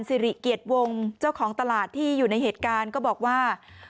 สิริเกียรติวงเจ้าของตลาดที่อยู่ในเหตุการณ์ก็บอกว่า